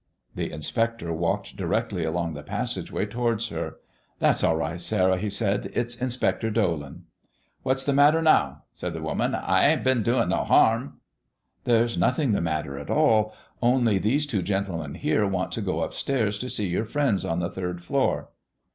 The inspector walked directly along the passageway towards her. "That's all right, Sarah," he said. "It's Inspector Dolan." "What's the matter now?" said the woman. "I 'ain't been doing no harm." "There's nothing the matter at all, only these two gentlemen here want to go up stairs to see your friends on the third floor."